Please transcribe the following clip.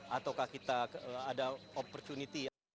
ataukah kita ada opportunity